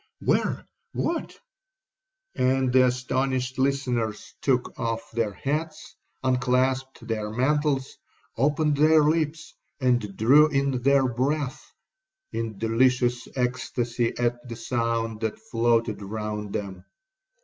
'—'Where—what?—' and the astonished listeners took off their hats, unclasped their mantles, opened their lips, and drew in their breath, in delicious ecstasy at the sounds that floated round them.